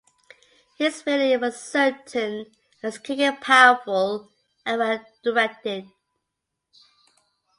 His fielding was certain and his kicking powerful and well directed.